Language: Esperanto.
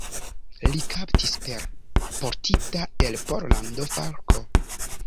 Li kaptis per portita el Pollando forko.